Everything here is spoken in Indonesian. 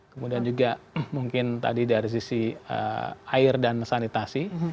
kemudian juga mungkin tadi dari sisi air dan sanitasi